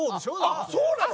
あっそうなの？